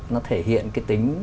nó thể hiện cái tính